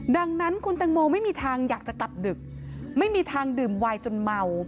ดังนั้นคุณตังโมไม่มีทางอยากจะกลับดึกไม่มีทางดื่มวายจนเมา